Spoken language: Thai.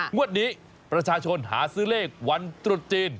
งวดนี้ประชาชนหาซื้อเลขวันตรุษจีน